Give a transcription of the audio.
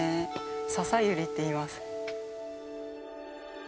ササユリっていいます。